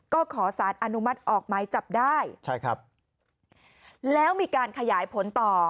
ก็ขอสารอนุมัติออกไม้จับได้ใช่ครับแล้วมีการขยายผลต่อ